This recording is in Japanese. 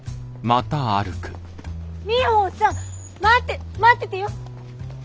ミホさん待って待っててよ。